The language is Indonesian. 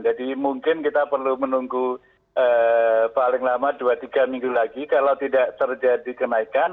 jadi mungkin kita perlu menunggu paling lama dua tiga minggu lagi kalau tidak terjadi kenaikan